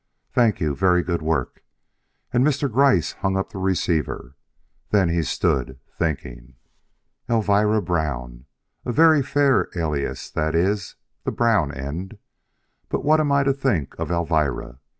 "Thank you. Very good work." And Mr. Gryce hung up the receiver. Then he stood thinking. "Elvira Brown! A very fair alias that is, the Brown end. But what am I to think of Elvira?